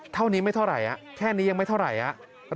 เท่านี้ไม่เท่าไหร่แค่นี้ยังไม่เท่าไหร่ครับ